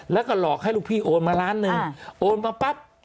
และก็หลอกให้ลูกพี่โอนมาร้านนึง